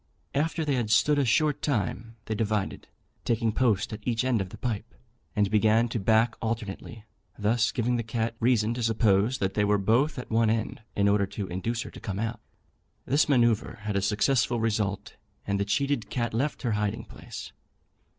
After they had stood a short time they divided, taking post at each end of the pipe, and began to back alternately, thus giving the cat reason to suppose that they were both at one end, in order to induce her to come out. This manoeuvre had a successful result, and the cheated cat left her hiding place.